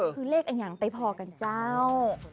คือเลของอย่างไปพอกันเจ้า